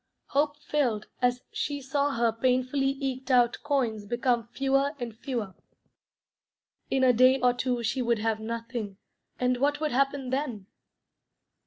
Hope failed as she saw her painfully eked out coins become fewer and fewer. In a day or two she would have nothing, and what would happen then?